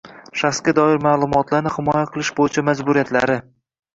shaxsga doir ma’lumotlarni himoya qilish bo‘yicha majburiyatlari